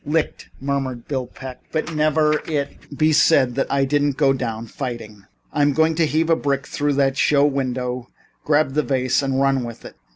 "Licked," murmured Bill Peck, "but never let it be said that I didn't go down fighting. I'm going to heave a brick through that show window, grab the vase and run with it."